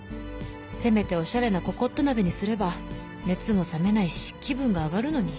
せめておしゃれなココット鍋にすれば熱も冷めないし気分が上がるのに。